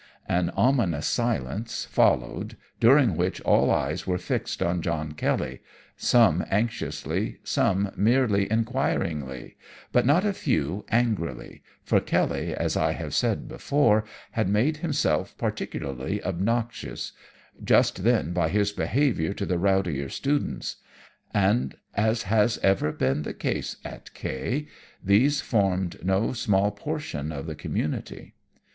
"An ominous silence followed, during which all eyes were fixed on John Kelly, some anxiously, some merely enquiringly, but not a few angrily, for Kelly, as I have said before, had made himself particularly obnoxious just then by his behaviour to the rowdier students; and, as has ever been the case at K., these formed no small portion of the community.